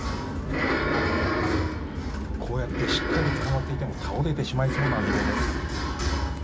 こうやってしっかりつかまっていても倒れそうな揺れです。